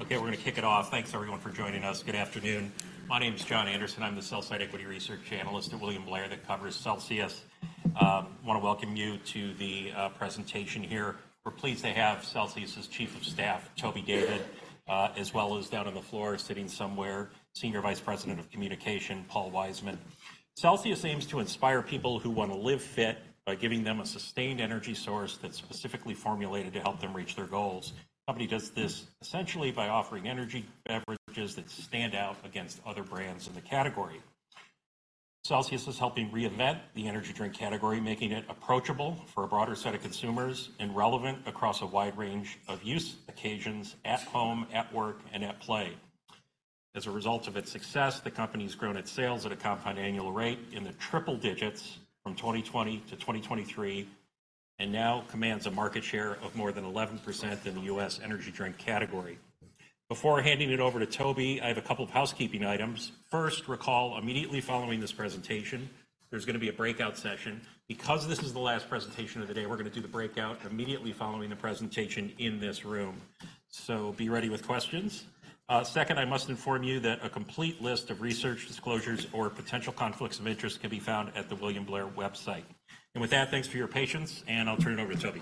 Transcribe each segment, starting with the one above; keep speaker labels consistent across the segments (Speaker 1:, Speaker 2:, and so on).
Speaker 1: Okay, we're gonna kick it off. Thanks, everyone, for joining us. Good afternoon. My name is John Anderson. I'm the sell-side equity research analyst at William Blair that covers Celsius. I wanna welcome you to the presentation here. We're pleased to have Celsius's Chief of Staff, Toby David, as well as down on the floor sitting somewhere, Senior Vice President of Communications, Paul Wiseman. Celsius aims to inspire people who want to live fit by giving them a sustained energy source that's specifically formulated to help them reach their goals. The company does this essentially by offering energy beverages that stand out against other brands in the category. Celsius is helping reinvent the energy drink category, making it approachable for a broader set of consumers and relevant across a wide range of use occasions, at home, at work, and at play. As a result of its success, the company has grown its sales at a compound annual rate in the triple digits from 2020 to 2023, and now commands a market share of more than 11% in the U.S. energy drink category. Before handing it over to Toby, I have a couple of housekeeping items. First, recall, immediately following this presentation, there's gonna be a breakout session. Because this is the last presentation of the day, we're gonna do the breakout immediately following the presentation in this room. So be ready with questions. Second, I must inform you that a complete list of research disclosures or potential conflicts of interest can be found at the William Blair website. And with that, thanks for your patience, and I'll turn it over to Toby.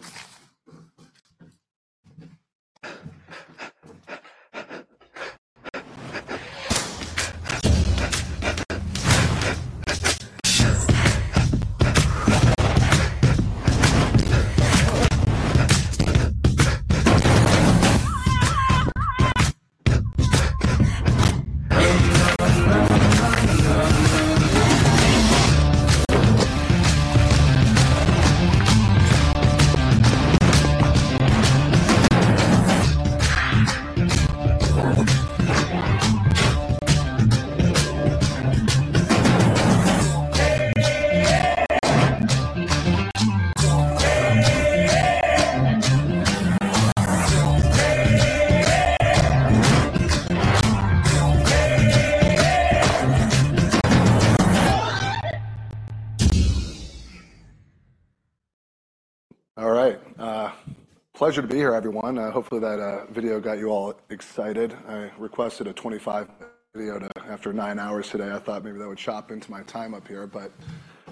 Speaker 2: All right. Pleasure to be here, everyone. Hopefully, that video got you all excited. I requested a 25 video to, after nine hours today, I thought maybe that would chop into my time up here, but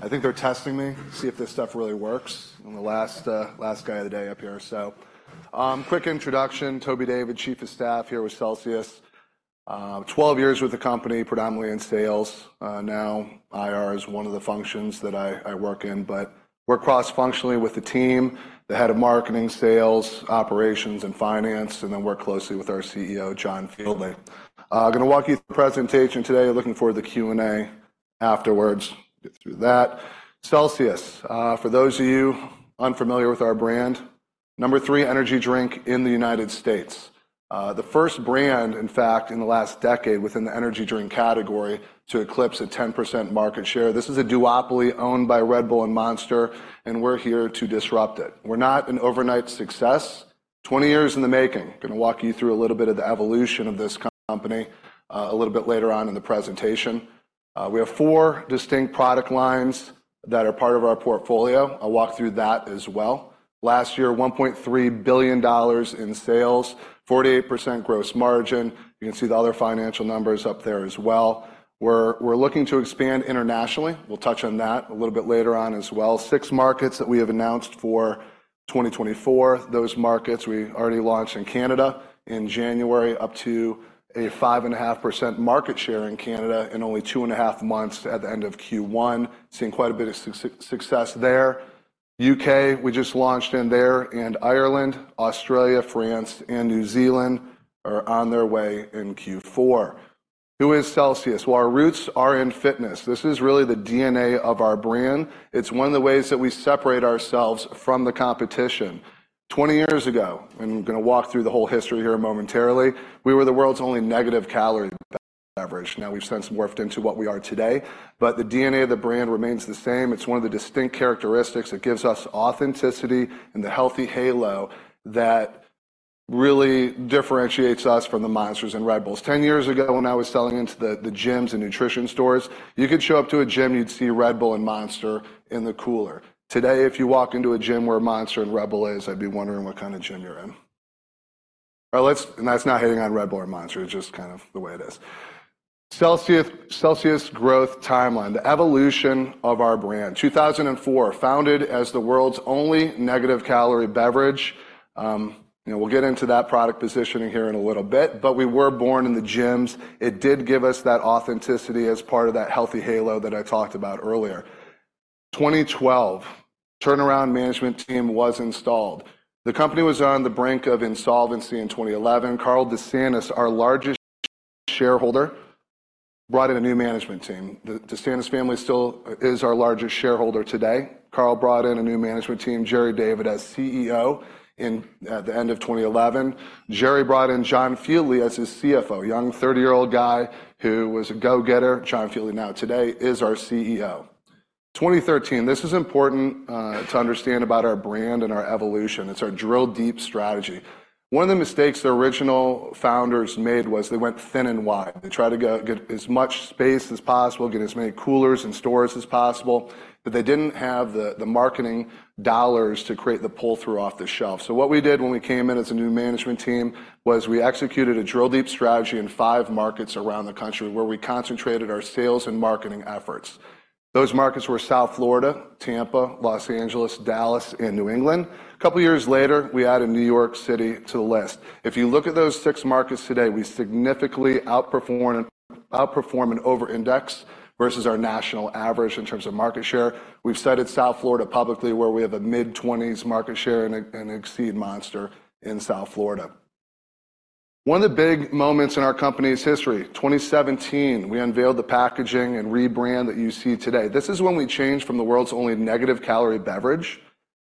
Speaker 2: I think they're testing me to see if this stuff really works. I'm the last, last guy of the day up here. So, quick introduction, Toby David, Chief of Staff here with Celsius. 12 years with the company, predominantly in sales. Now IR is one of the functions that I work in, but work cross-functionally with the team, the head of marketing, sales, operations, and finance, and then work closely with our CEO, John Fieldley. I'm gonna walk you through the presentation today, looking forward to the Q&A afterwards. Get through that. Celsius, for those of you unfamiliar with our brand, number three energy drink in the United States. The first brand, in fact, in the last decade within the energy drink category to eclipse a 10% market share. This is a duopoly owned by Red Bull and Monster, and we're here to disrupt it. We're not an overnight success. 20 years in the making. Gonna walk you through a little bit of the evolution of this company, a little bit later on in the presentation. We have four distinct product lines that are part of our portfolio. I'll walk through that as well. Last year, $1.3 billion in sales, 48% gross margin. You can see the other financial numbers up there as well. We're looking to expand internationally. We'll touch on that a little bit later on as well. Six markets that we have announced for 2024. Those markets, we already launched in Canada in January, up to a 5.5% market share in Canada in only two and a half months at the end of Q1. Seeing quite a bit of success there. U.K., we just launched in there, and Ireland, Australia, France, and New Zealand are on their way in Q4. Who is Celsius? Well, our roots are in fitness. This is really the DNA of our brand. It's one of the ways that we separate ourselves from the competition. 20 years ago, and I'm gonna walk through the whole history here momentarily, we were the world's only negative-calorie beverage. Now, we've since morphed into what we are today, but the DNA of the brand remains the same. It's one of the distinct characteristics that gives us authenticity and the healthy halo that really differentiates us from the Monsters and Red Bulls. 10 years ago, when I was selling into the gyms and nutrition stores, you could show up to a gym, you'd see Red Bull and Monster in the cooler. Today, if you walk into a gym where Monster and Red Bull is, I'd be wondering what kind of gym you're in. All right. And that's not hating on Red Bull or Monster, it's just kind of the way it is. Celsius, Celsius growth timeline, the evolution of our brand. 2004, founded as the world's only negative-calorie beverage. And we'll get into that product positioning here in a little bit, but we were born in the gyms. It did give us that authenticity as part of that healthy halo that I talked about earlier. 2012, turnaround management team was installed. The company was on the brink of insolvency in 2011. Carl DeSantis, our largest shareholder, brought in a new management team. The DeSantis family still is our largest shareholder today. Carl brought in a new management team, Gerry David, as CEO in the end of 2011. Gerry brought in John Fieldly as his CFO, young 30-year-old guy who was a go-getter. John Fieldly, now today, is our CEO… 2013, this is important to understand about our brand and our evolution. It's our drill deep strategy. One of the mistakes the original founders made was they went thin and wide. They tried to go get as much space as possible, get as many coolers and stores as possible, but they didn't have the marketing dollars to create the pull-through off-the-shelf. So what we did when we came in as a new management team, was we executed a drill deep strategy in five markets around the country, where we concentrated our sales and marketing efforts. Those markets were South Florida, Tampa, Los Angeles, Dallas, and New England. A couple of years later, we added New York City to the list. If you look at those six markets today, we significantly outperform, outperform and over-index versus our national average in terms of market share. We've said it South Florida publicly, where we have a mid-20s market share and a, and exceed Monster in South Florida. One of the big moments in our company's history, 2017, we unveiled the packaging and rebrand that you see today. This is when we changed from the world's only negative calorie beverage.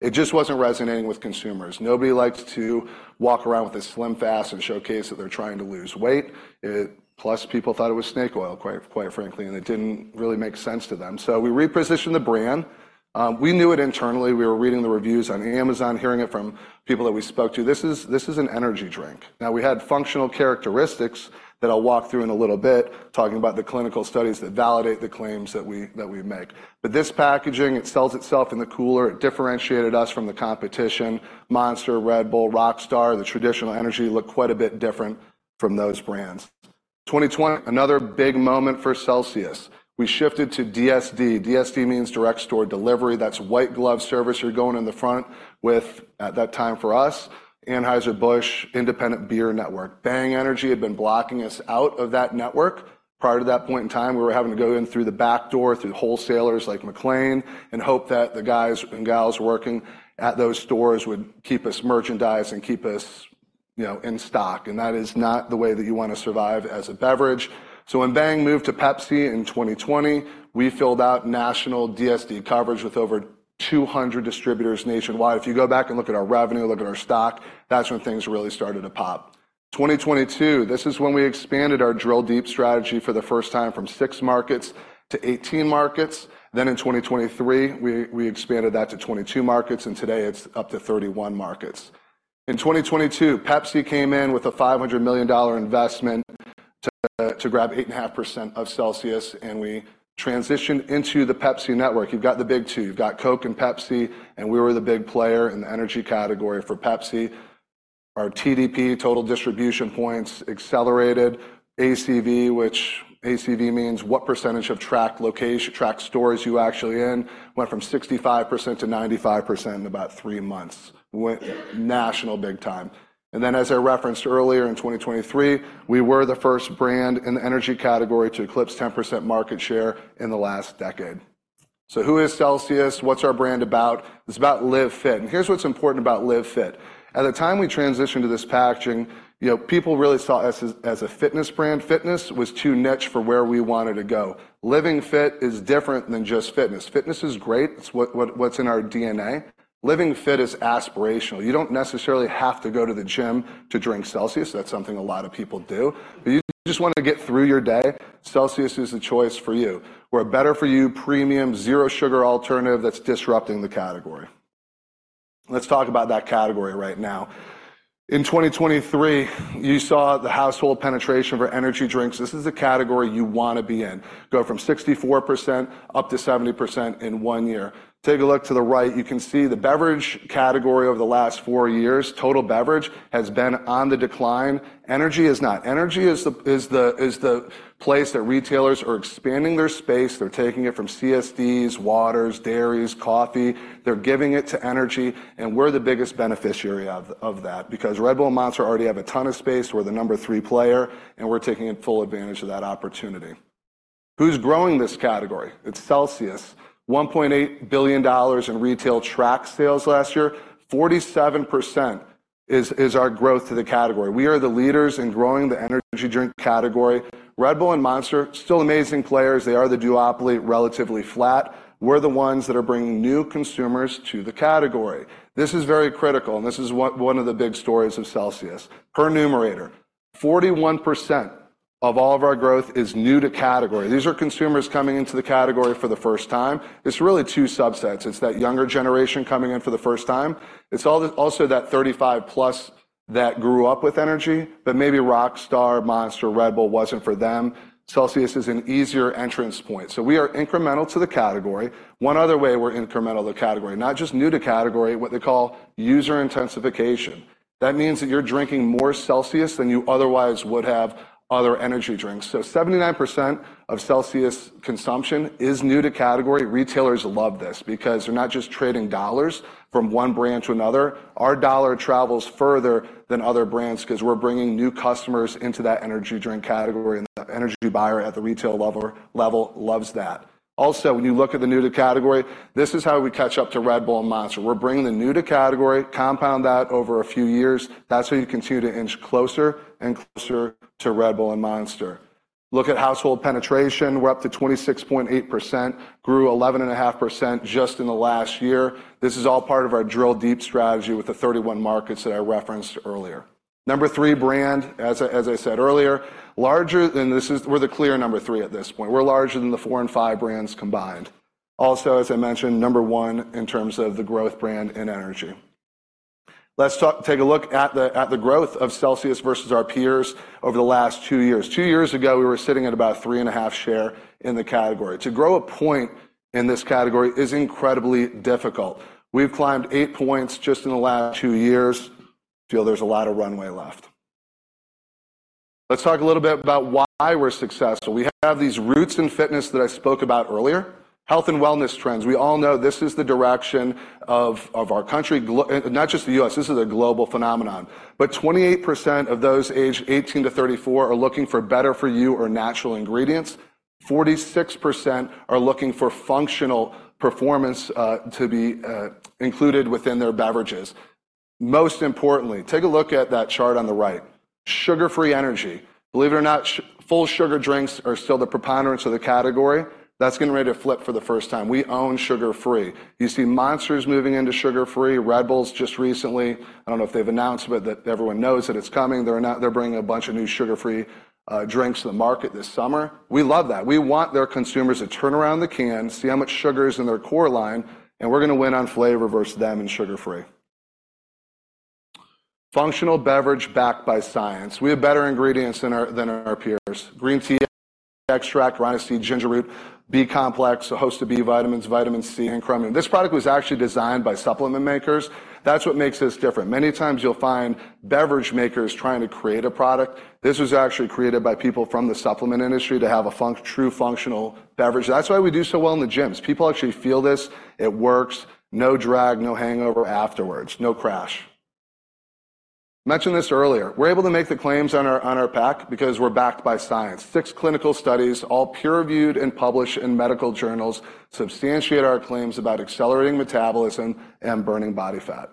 Speaker 2: It just wasn't resonating with consumers. Nobody likes to walk around with a SlimFast and showcase that they're trying to lose weight. It plus, people thought it was snake oil, quite, quite frankly, and it didn't really make sense to them. So we repositioned the brand. We knew it internally. We were reading the reviews on Amazon, hearing it from people that we spoke to. This is, this is an energy drink. Now, we had functional characteristics that I'll walk through in a little bit, talking about the clinical studies that validate the claims that we, that we make. But this packaging, it sells itself in the cooler. It differentiated us from the competition, Monster, Red Bull, Rockstar, the traditional energy looked quite a bit different from those brands. 2020, another big moment for Celsius. We shifted to DSD. DSD means direct store delivery. That's white glove service you're going in the front with, at that time, for us, Anheuser-Busch, independent beer network. Bang Energy had been blocking us out of that network. Prior to that point in time, we were having to go in through the back door, through wholesalers like McLane, and hope that the guys and gals working at those stores would keep us merchandised and keep us, you know, in stock. And that is not the way that you want to survive as a beverage. So when Bang moved to Pepsi in 2020, we filled out national DSD coverage with over 200 distributors nationwide. If you go back and look at our revenue, look at our stock, that's when things really started to pop. 2022, this is when we expanded our drill deep strategy for the first time from six markets to 18 markets. Then in 2023, we expanded that to 22 markets, and today it's up to 31 markets. In 2022, Pepsi came in with a $500 million investment to grab 8.5% of Celsius, and we transitioned into the Pepsi network. You've got the big two, you've got Coke and Pepsi, and we were the big player in the energy category for Pepsi. Our TDP, Total Distribution Points, accelerated. ACV, which ACV means what percentage of tracked locations, tracked stores you actually in, went from 65% to 95% in about three months. Went national big time. And then, as I referenced earlier, in 2023, we were the first brand in the energy category to eclipse 10% market share in the last decade. So who is Celsius? What's our brand about? It's about Live Fit, and here's what's important about Live Fit. At the time we transitioned to this packaging, you know, people really saw us as a fitness brand. Fitness was too niche for where we wanted to go. Living fit is different than just fitness. Fitness is great, it's what's in our DNA. Living fit is aspirational. You don't necessarily have to go to the gym to drink Celsius. That's something a lot of people do. But you just want to get through your day, Celsius is the choice for you. We're a better for you, premium, zero sugar alternative that's disrupting the category. Let's talk about that category right now. In 2023, you saw the household penetration for energy drinks. This is the category you wanna be in. Go from 64% up to 70% in one year. Take a look to the right. You can see the beverage category over the last four years, total beverage has been on the decline. Energy is not. Energy is the place that retailers are expanding their space. They're taking it from CSDs, waters, dairies, coffee. They're giving it to energy, and we're the biggest beneficiary of that, because Red Bull and Monster already have a ton of space. We're the number three player, and we're taking full advantage of that opportunity. Who's growing this category? It's Celsius. $1.8 billion in retail track sales last year. 47% is our growth to the category. We are the leaders in growing the energy drink category. Red Bull and Monster, still amazing players. They are the duopoly, relatively flat. We're the ones that are bringing new consumers to the category. This is very critical, and this is one, one of the big stories of Celsius. Per Numerator, 41% of all of our growth is new to category. These are consumers coming into the category for the first time. It's really two subsets. It's that younger generation coming in for the first time. It's also that 35+ that grew up with energy, but maybe Rockstar, Monster, Red Bull wasn't for them. Celsius is an easier entrance point, so we are incremental to the category. One other way we're incremental to the category, not just new to category, what they call user intensification. That means that you're drinking more Celsius than you otherwise would have other energy drinks. So 79% of Celsius consumption is new to category. Retailers love this because they're not just trading dollars from one brand to another. Our dollar travels further than other brands 'cause we're bringing new customers into that energy drink category, and the energy buyer at the retail level loves that. Also, when you look at the new to category, this is how we catch up to Red Bull and Monster. We're bringing the new to category, compound that over a few years. That's how you continue to inch closer and closer to Red Bull and Monster. Look at household penetration. We're up to 26.8%, grew 11.5% just in the last year. This is all part of our drill deep strategy with the 31 markets that I referenced earlier... Number three brand, as I said earlier, larger than this is. We're the clear number three at this point. We're larger than the four and five brands combined. Also, as I mentioned, number one in terms of the growth brand and energy. Let's take a look at the growth of Celsius versus our peers over the last two years. Two years ago, we were sitting at about 3.5 share in the category. To grow a point in this category is incredibly difficult. We've climbed 8 points just in the last two years. I feel there's a lot of runway left. Let's talk a little bit about why we're successful. We have these roots in fitness that I spoke about earlier, health and wellness trends. We all know this is the direction of our country, global, not just the U.S., this is a global phenomenon. But 28% of those aged 18 to 34 are looking for better for you or natural ingredients. 46% are looking for functional performance, to be, included within their beverages. Most importantly, take a look at that chart on the right. Sugar-free energy. Believe it or not, full sugar drinks are still the preponderance of the category. That's getting ready to flip for the first time. We own sugar-free. You see Monster's moving into sugar-free, Red Bull's just recently... I don't know if they've announced, but that everyone knows that it's coming. They're bringing a bunch of new sugar-free, drinks to the market this summer. We love that. We want their consumers to turn around the can, see how much sugar is in their core line, and we're gonna win on flavor versus them in sugar-free. Functional beverage backed by science. We have better ingredients than our, than our peers. Green tea extract, guarana seed, ginger root, B complex, a host of B vitamins, vitamin C, and chromium. This product was actually designed by supplement makers. That's what makes us different. Many times, you'll find beverage makers trying to create a product. This was actually created by people from the supplement industry to have a true functional beverage. That's why we do so well in the gyms. People actually feel this. It works. No drag, no hangover afterwards, no crash. Mentioned this earlier, we're able to make the claims on our pack because we're backed by science. Six clinical studies, all peer-reviewed and published in medical journals, substantiate our claims about accelerating metabolism and burning body fat.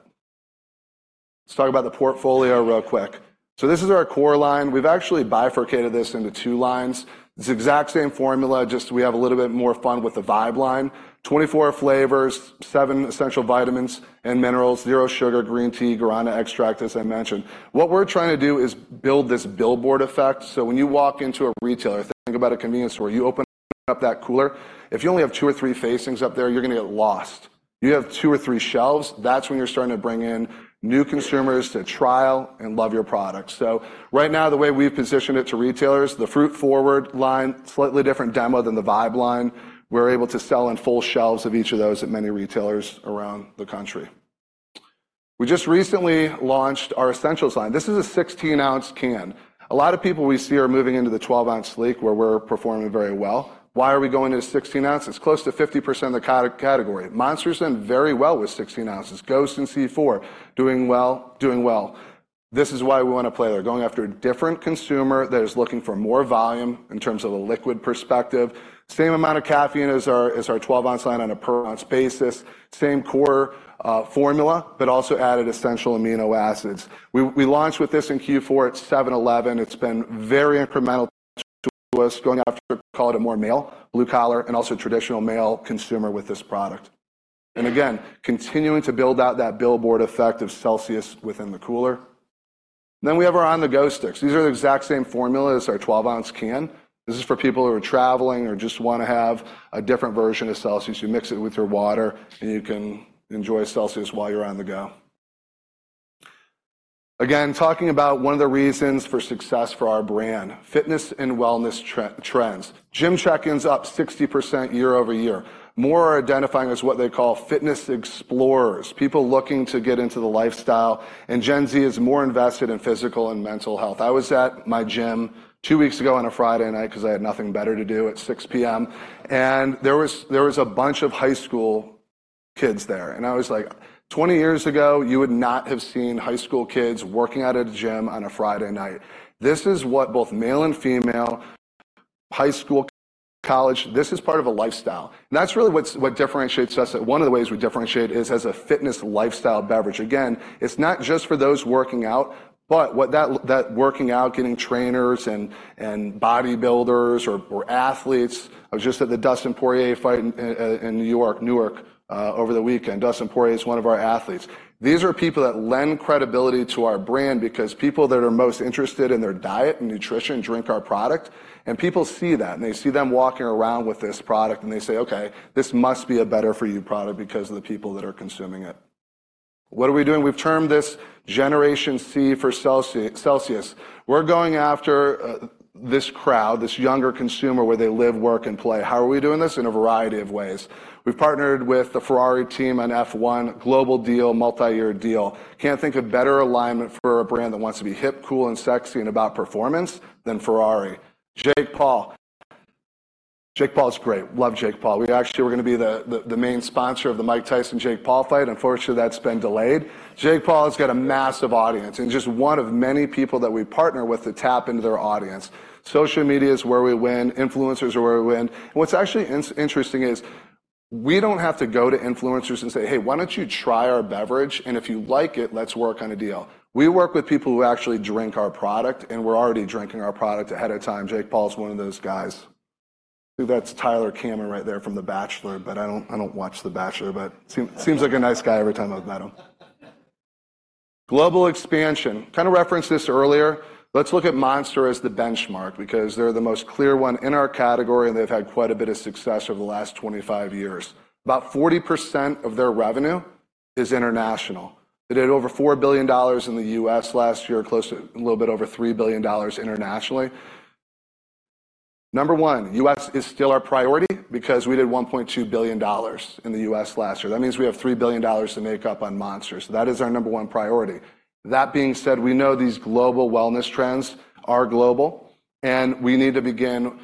Speaker 2: Let's talk about the portfolio real quick. So this is our core line. We've actually bifurcated this into two lines. It's the exact same formula, just we have a little bit more fun with the Vibe line. 24 flavors, seven essential vitamins and minerals, zero sugar, green tea, guarana extract, as I mentioned. What we're trying to do is build this billboard effect, so when you walk into a retailer, think about a convenience store, you open up that cooler. If you only have two or three facings up there, you're gonna get lost. You have two or three shelves, that's when you're starting to bring in new consumers to trial and love your product. So right now, the way we've positioned it to retailers, the Fruit Forward line, slightly different demo than the Vibe line. We're able to sell in full shelves of each of those at many retailers around the country. We just recently launched our Essentials line. This is a 16-ounce can. A lot of people we see are moving into the 12-ounce sleek, where we're performing very well. Why are we going to 16 ounces? Close to 50% of the category. Monster's doing very well with 16 ounces. Ghost and C4, doing well, doing well. This is why we wanna play. They're going after a different consumer that is looking for more volume in terms of a liquid perspective. Same amount of caffeine as our, as our 12-ounce line on a per-ounce basis, same core, formula, but also added essential amino acids. We launched with this in Q4 at 7-Eleven. It's been very incremental to us, going after, call it a more male, blue-collar, and also traditional male consumer with this product. And again, continuing to build out that billboard effect of Celsius within the cooler. Then we have our On-the-Go sticks. These are the exact same formula as our 12-ounce can. This is for people who are traveling or just wanna have a different version of Celsius. You mix it with your water, and you can enjoy Celsius while you're on the go. Again, talking about one of the reasons for success for our brand, fitness and wellness trends. Gym check-ins up 60% year-over-year. More are identifying as what they call fitness explorers, people looking to get into the lifestyle, and Gen Z is more invested in physical and mental health. I was at my gym two weeks ago on a Friday night 'cause I had nothing better to do at 6:00 P.M., and there was a bunch of high school kids there. I was like, "20 years ago, you would not have seen high school kids working out at a gym on a Friday night." This is what both male and female, high school, college, this is part of a lifestyle, and that's really what differentiates us. One of the ways we differentiate is as a fitness lifestyle beverage. Again, it's not just for those working out, but that working out, getting trainers and bodybuilders or athletes. I was just at the Dustin Poirier fight in New York, Newark, over the weekend. Dustin Poirier is one of our athletes. These are people that lend credibility to our brand because people that are most interested in their diet and nutrition drink our product, and people see that, and they see them walking around with this product, and they say, "Okay, this must be a better-for-you product because of the people that are consuming it." What are we doing? We've termed this Generation C for Celsius. We're going after this crowd, this younger consumer, where they live, work, and play. How are we doing this? In a variety of ways. We've partnered with the Ferrari team on F1, global deal, multi-year deal. Can't think of better alignment for a brand that wants to be hip, cool, and sexy, and about performance than Ferrari. Jake Paul. Jake Paul is great. Love Jake Paul. We actually were gonna be the main sponsor of the Mike Tyson, Jake Paul fight. Unfortunately, that's been delayed. Jake Paul has got a massive audience and just one of many people that we partner with to tap into their audience. Social media is where we win. Influencers are where we win. What's actually interesting is we don't have to go to influencers and say, "Hey, why don't you try our beverage? And if you like it, let's work on a deal." We work with people who actually drink our product, and we're already drinking our product ahead of time. Jake Paul is one of those guys.... That's Tyler Cameron right there from The Bachelor, but I don't, I don't watch The Bachelor, but seems like a nice guy every time I've met him. Global expansion. Kinda referenced this earlier. Let's look at Monster as the benchmark because they're the most clear one in our category, and they've had quite a bit of success over the last 25 years. About 40% of their revenue is international. They did over $4 billion in the U.S. last year, close to a little bit over $3 billion internationally. Number one, U.S. is still our priority because we did $1.2 billion in the U.S. last year. That means we have $3 billion to make up on Monster, so that is our number one priority. That being said, we know these global wellness trends are global, and we need to begin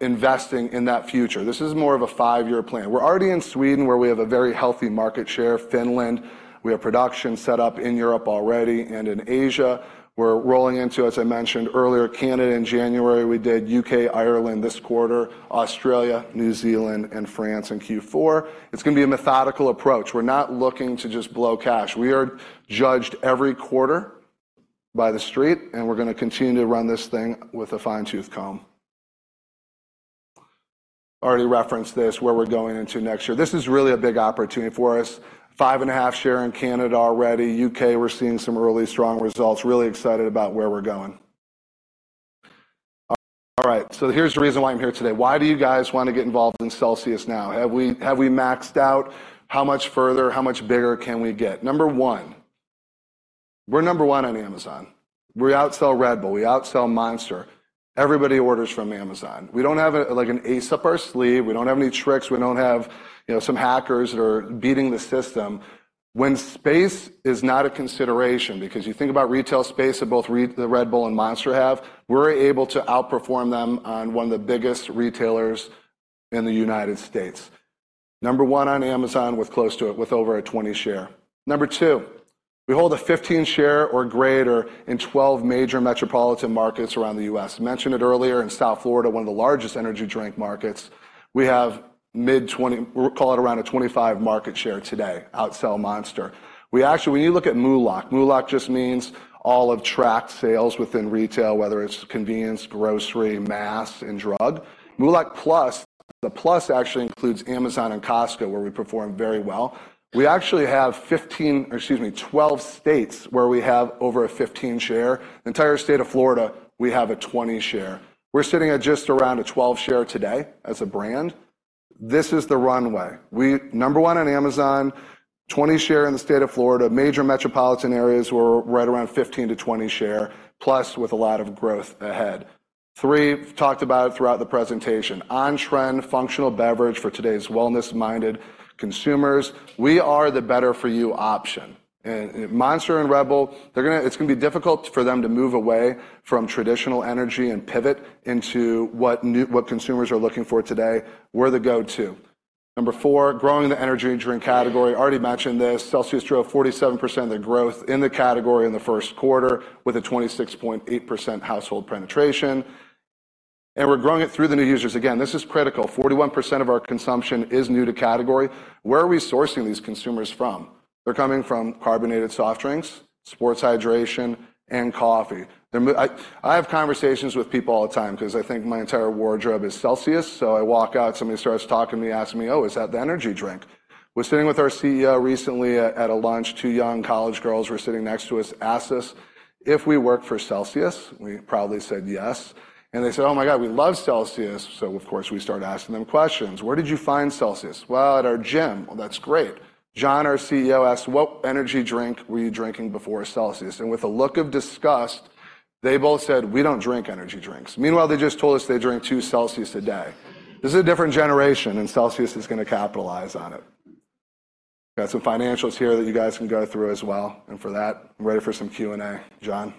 Speaker 2: investing in that future. This is more of a five-year plan. We're already in Sweden, where we have a very healthy market share. Finland, we have production set up in Europe already, and in Asia. We're rolling into, as I mentioned earlier, Canada in January. We did U.K., Ireland this quarter, Australia, New Zealand, and France in Q4. It's gonna be a methodical approach. We're not looking to just blow cash. We are judged every quarter by the street, and we're gonna continue to run this thing with a fine-tooth comb. Already referenced this, where we're going into next year. This is really a big opportunity for us. 5.5% share in Canada already. U.K., we're seeing some really strong results. Really excited about where we're going. All right, so here's the reason why I'm here today. Why do you guys wanna get involved in Celsius now? Have we, have we maxed out? How much further, how much bigger can we get? Number one, we're number one on Amazon. We outsell Red Bull. We outsell Monster. Everybody orders from Amazon. We don't have a, like, an ace up our sleeve. We don't have any tricks. We don't have, you know, some hackers that are beating the system. When space is not a consideration, because you think about retail space that both Red Bull and Monster have, we're able to outperform them on one of the biggest retailers in the United States. Number one on Amazon, with close to it, with over a 20% share. Number two, we hold a 15% share or greater in 12 major metropolitan markets around the U.S. Mentioned it earlier, in South Florida, one of the largest energy drink markets, we have mid-20s... We call it around a 25% market share today, outsell Monster. We actually, when you look at MULO. MULO just means all of tracked sales within retail, whether it's convenience, grocery, mass, and drug. MULO plus, the plus actually includes Amazon and Costco, where we perform very well. We actually have 15, or excuse me, 12 states where we have over a 15 share. The entire state of Florida, we have a 20 share. We're sitting at just around a 12 share today as a brand. This is the runway. We- number one on Amazon, 20 share in the state of Florida. Major metropolitan areas, we're right around 15-20 share, plus with a lot of growth ahead. Three, talked about it throughout the presentation, on-trend functional beverage for today's wellness-minded consumers. We are the better-for-you option, and, and Monster and Red Bull, they're gonna-- it's gonna be difficult for them to move away from traditional energy and pivot into what new, what consumers are looking for today. We're the go-to. Number four, growing the energy drink category. Already mentioned this. Celsius drove 47% of the growth in the category in the first quarter with a 26.8% household penetration, and we're growing it through the new users. Again, this is critical. 41% of our consumption is new to category. Where are we sourcing these consumers from? They're coming from carbonated soft drinks, sports hydration, and coffee. I have conversations with people all the time 'cause I think my entire wardrobe is Celsius, so I walk out, and somebody starts talking to me, asking me, "Oh, is that the energy drink?" I was sitting with our CEO recently at a lunch. Two young college girls were sitting next to us, asked us if we worked for Celsius. We proudly said yes, and they said, "Oh, my God, we love Celsius!" So, of course, we started asking them questions. Where did you find Celsius?" "Well, at our gym." "Well, that's great." John, our CEO, asked: "What energy drink were you drinking before Celsius?" And with a look of disgust, they both said, "We don't drink energy drinks." Meanwhile, they just told us they drink two Celsius a day. This is a different generation, and Celsius is gonna capitalize on it. Got some financials here that you guys can go through as well, and for that, I'm ready for some Q&A. John?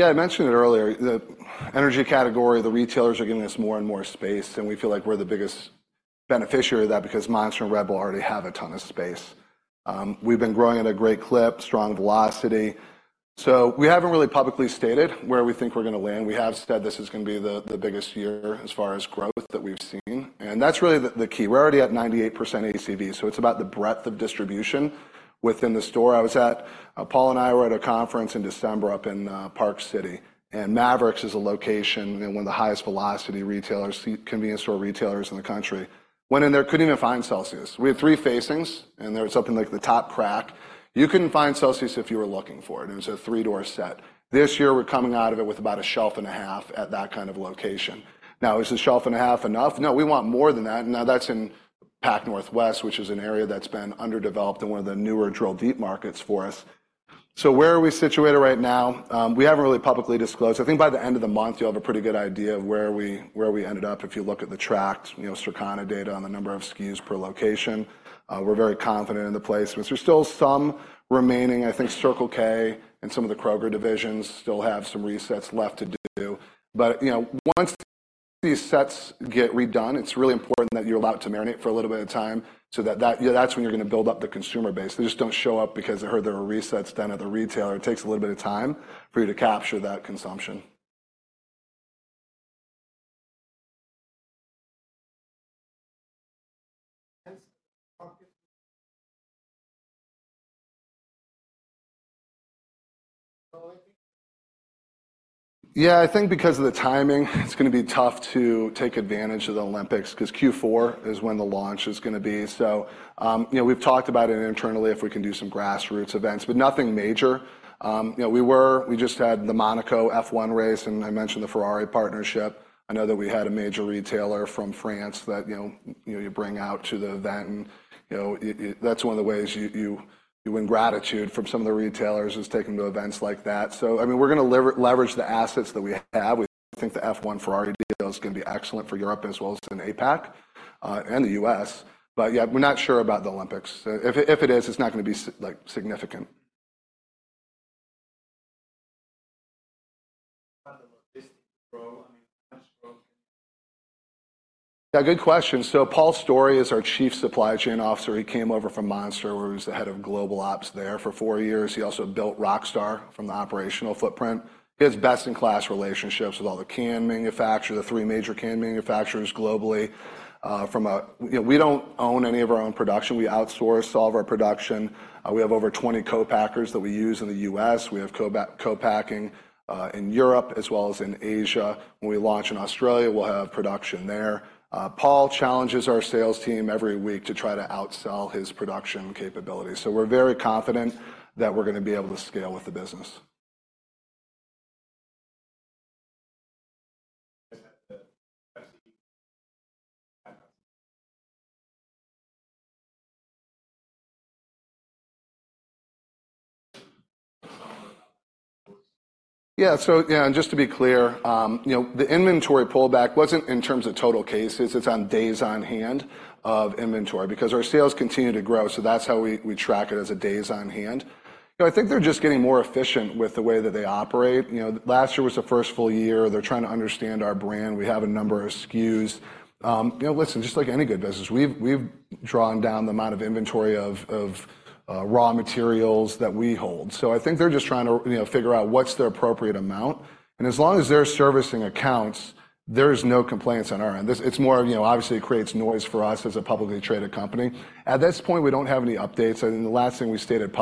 Speaker 2: Yeah, I mentioned it earlier, the energy category, the retailers are giving us more and more space, and we feel like we're the biggest beneficiary of that because Monster and Red Bull already have a ton of space. We've been growing at a great clip, strong velocity. So we haven't really publicly stated where we think we're gonna land. We have said this is gonna be the, the biggest year as far as growth that we've seen, and that's really the, the key. We're already at 98% ACV, so it's about the breadth of distribution within the store. I was at, Paul and I were at a conference in December up in Park City, and Maverik is a location and one of the highest velocity retailers, convenience store retailers in the country. Went in there, couldn't even find Celsius. We had three facings, and there was something like the top rack. You couldn't find Celsius if you were looking for it, and it was a three-door set. This year, we're coming out of it with about a shelf and a half at that kind of location. Now, is a shelf and a half enough? No, we want more than that. Now, that's in Pacific Northwest, which is an area that's been underdeveloped and one of the newer drill deep markets for us. So where are we situated right now? We haven't really publicly disclosed. I think by the end of the month, you'll have a pretty good idea of where we, where we ended up. If you look at the tracked, you know, Circana data on the number of SKUs per location, we're very confident in the placements. There's still some remaining. I think Circle K and some of the Kroger divisions still have some resets left to do. But, you know, once these sets get redone, it's really important that you allow it to marinate for a little bit of time so that yeah, that's when you're gonna build up the consumer base. They just don't show up because they heard there were resets done at the retailer. It takes a little bit of time for you to capture that consumption. Yeah, I think because of the timing, it's gonna be tough to take advantage of the Olympics, 'cause Q4 is when the launch is gonna be. So, you know, we've talked about it internally, if we can do some grassroots events, but nothing major. You know, we just had the Monaco F1 race, and I mentioned the Ferrari partnership. I know that we had a major retailer from France that, you know, you bring out to the event, and, you know, it... That's one of the ways you win gratitude from some of the retailers is taking them to events like that. So, I mean, we're gonna leverage the assets that we have. We think the F1 Ferrari deal is gonna be excellent for Europe as well as in APAC, and the U.S. But yeah, we're not sure about the Olympics. If it is, it's not gonna be significant. Yeah, good question. So Paul Storey is our Chief Supply Chain Officer. He came over from Monster, where he was the head of global ops there for four years. He also built Rockstar from the operational footprint. He has best-in-class relationships with all the can manufacturer, the three major can manufacturers globally. From a... You know, we don't own any of our own production. We outsource all of our production. We have over 20 co-packers that we use in the U.S. We have co-packing in Europe as well as in Asia. When we launch in Australia, we'll have production there. Paul challenges our sales team every week to try to outsell his production capabilities, so we're very confident that we're gonna be able to scale with the business. Yeah, so yeah, and just to be clear, you know, the inventory pullback wasn't in terms of total cases, it's on days on hand of inventory, because our sales continue to grow, so that's how we track it, as days on hand. You know, I think they're just getting more efficient with the way that they operate. You know, last year was the first full year. They're trying to understand our brand. We have a number of SKUs. You know, listen, just like any good business, we've drawn down the amount of inventory of raw materials that we hold. So I think they're just trying to, you know, figure out what's the appropriate amount. And as long as they're servicing accounts, there's no complaints on our end. It's more of, you know, obviously, it creates noise for us as a publicly traded company. At this point, we don't have any updates, and the last thing we stated-